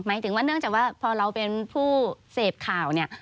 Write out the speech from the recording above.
หมายถึงว่าเนื่องจากว่าพอเราเป็นผู้เสพข่าวเนี่ย